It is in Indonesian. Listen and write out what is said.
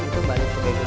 kan itu banyak kebaikan